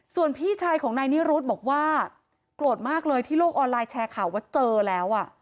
ส่วนพี่ชายของนายนิรุธบอกว่าโกรธมากเลยที่โลกออนไลน์แชร์ข่าวว่าเจอแล้ว